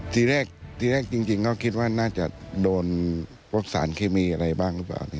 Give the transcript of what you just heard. ทีแรกจริงก็คิดว่าน่าจะโดนพวกสารเคมีอะไรบ้างหรือเปล่า